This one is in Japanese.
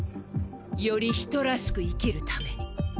より人らしく生きる為に。